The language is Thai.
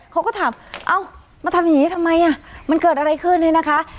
เขาก็ถามเอ้ามาทำอย่างนี้ทำไมอ่ะมันเกิดอะไรขึ้นเนี่ยนะคะ